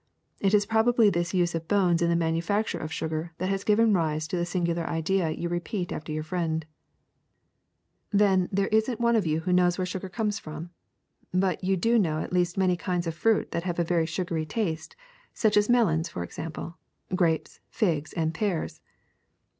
It is probably this use of bones in the manu facture of sugar that has given rise to the singular idea you repeat after your friend. 180 SUGAR 181 ^'Then there isn't one of you that knows where sugar comes from. But you do know at least many kinds of fruit that have a very sugary taste, such as melons, for example; grapes, figs, and pears."